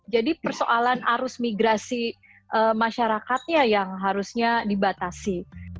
jadi persoalan arus migrasi masyarakatnya yang harusnya dibatasi